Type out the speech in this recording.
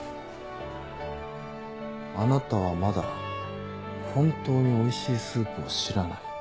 「あなたはまだ本当においしいスープを知らない」。